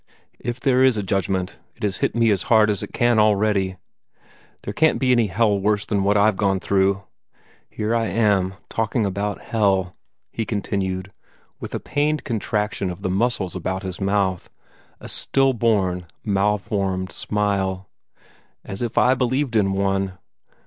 "If there is a Judgment, it has hit me as hard as it can already. There can't be any hell worse than that I've gone through. Here I am talking about hell," he continued, with a pained contraction of the muscles about his mouth a stillborn, malformed smile "as if I believed in one!